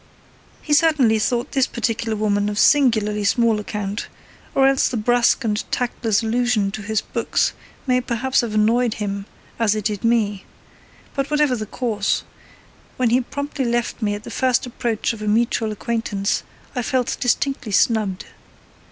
He certainly thought this particular woman of singularly small account, or else the brusque and tactless allusion to his books may perhaps have annoyed him as it did me; but whatever the cause, when he promptly left me at the first approach of a mutual acquaintance, I felt distinctly snubbed.